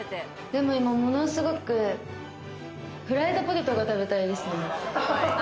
でも今ものすごくフライドポテトが食べたいですね。